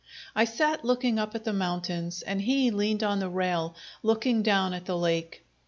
I sat looking up at the mountains, and he leaned on the rail, looking down at the lake.